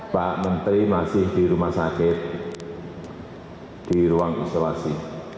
pak menteri masih di rumah sakit di ruang isolasi